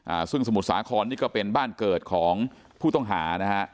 อ่าซึ่งสมุทรสาครนี่ก็เป็นบ้านเกิดของผู้ต้องหานะฮะ